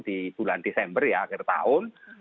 di bulan desember ya akhir tahun